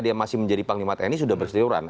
dia masih menjadi panglima tni sudah berseliuran